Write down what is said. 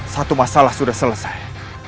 satu masalah sudah selesai